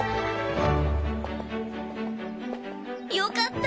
よかった。